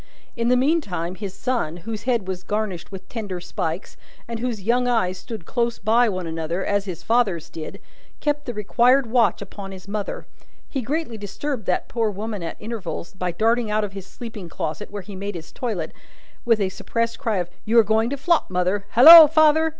In the meantime, his son, whose head was garnished with tenderer spikes, and whose young eyes stood close by one another, as his father's did, kept the required watch upon his mother. He greatly disturbed that poor woman at intervals, by darting out of his sleeping closet, where he made his toilet, with a suppressed cry of "You are going to flop, mother. Halloa, father!"